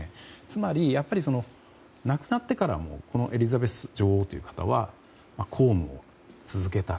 つまり、やっぱり亡くなってからもエリザベス女王という方は公務を続けた。